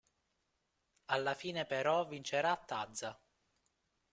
Alla fine però vincerà Taza.